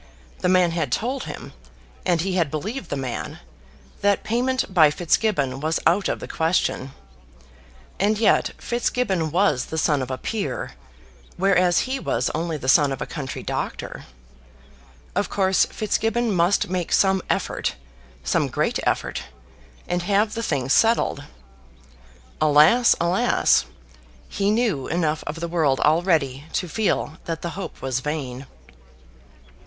The man had told him, and he had believed the man, that payment by Fitzgibbon was out of the question. And yet Fitzgibbon was the son of a peer, whereas he was only the son of a country doctor! Of course Fitzgibbon must make some effort, some great effort, and have the thing settled. Alas, alas! He knew enough of the world already to feel that the hope was vain.